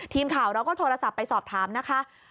ทีมข่าวเราก็โทรศัพท์ไปสอบถามนะคะ